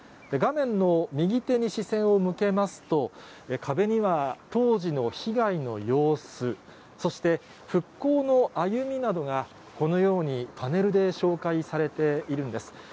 画面の右手に視線を向けますと、壁には当時の被害の様子、そして復興の歩みなどが、このようにパネルで紹介されているんです。